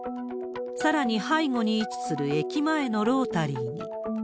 さらに背後に位置する駅前のロータリーに。